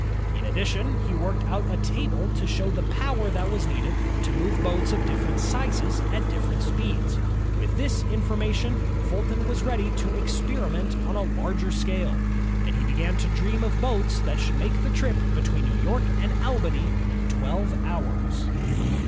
In addition, he worked out a table to show the power that was needed to move boats of different sizes at different speeds. With this information, Fulton was ready 38 INVENTIONS OF STEAM AND ELECTRIC POWER to experiment on a larger scale, and he began to dream of boats that should make the trip between New York and Albany in twelve hours.